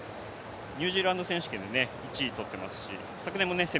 ニュージーランド選手権で１位取ってます。